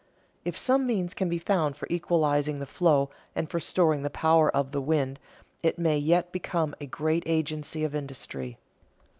If some means can be found for equalizing the flow and for storing the power of the wind, it may yet become a great agency of industry.